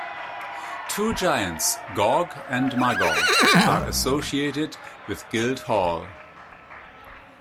Two giants, Gog and Magog, are associated with Guildhall.